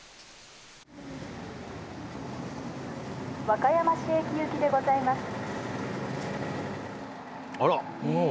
和歌山市駅行きでございます。